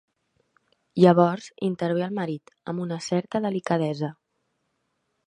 Llavors intervé el marit, amb una certa delicadesa.